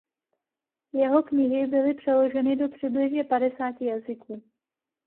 Jeho knihy byly přeloženy do přibližně padesáti jazyků.